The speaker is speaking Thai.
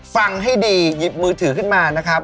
ฟังให้ดีหยิบมือถือขึ้นมานะครับ